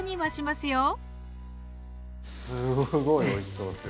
すごいおいしそうですよ。